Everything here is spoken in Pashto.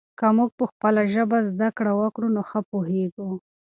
که موږ په خپله ژبه زده کړه وکړو نو ښه پوهېږو.